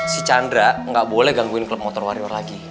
si chandra gak boleh gangguin klub motor wario lagi